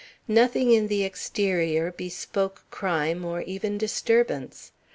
Nothing in the exterior bespoke crime or even disturbance.